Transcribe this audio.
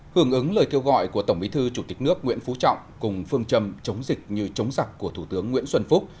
hưởng ứng lời kêu gọi của tổng bí thư chủ tịch nước nguyễn phú trọng cùng phương châm chống dịch như chống giặc của thủ tướng nguyễn xuân phúc